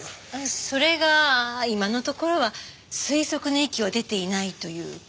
それが今のところは推測の域を出ていないというか。